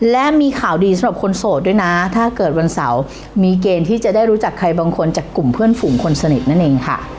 และมีข่าวดีสำหรับคนโสดด้วยนะถ้าเกิดวันเสาร์มีเกณฑ์ที่จะได้รู้จักใครบางคนจากกลุ่มเพื่อนฝูงคนสนิทนั่นเองค่ะ